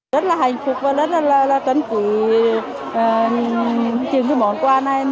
rất là hạnh phúc và rất là tân trị chiếc món quà này